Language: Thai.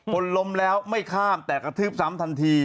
คนล้มแล้วไม่ข้ามแต่กระทืบซ้ำทันที